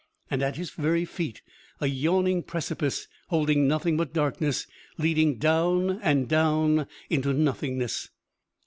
And at his very feet, a yawning precipice, holding nothing but darkness, leading down and down into nothingness.